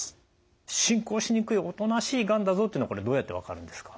進行しにくいおとなしいがんだぞっていうのはどうやって分かるんですか？